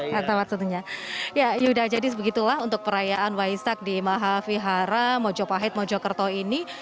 ya sudah jadi sebegitulah untuk perayaan waisak di mahavihara mojopahit mojokerto ini